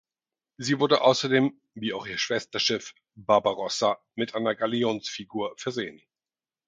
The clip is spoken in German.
Sie wurde außerdem, wie auch ihr Schwesterschiff "Barbarossa", mit einer Galionsfigur versehen.